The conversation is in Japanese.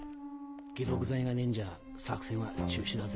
解毒剤がねえんじゃ作戦は中止だぜ。